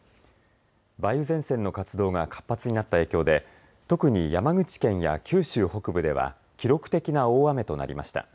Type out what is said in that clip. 梅雨前線の活動が活発になった影響で特に山口県や九州北部では記録的な大雨となりました。